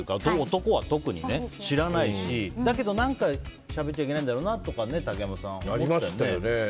男は特に知らないし、だけど何かしゃべっちゃいけないんだろうなとか竹山さん、思ったよね。